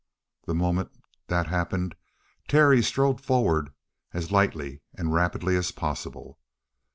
The moment that happened, Terry strode forward as lightly and rapidly as possible.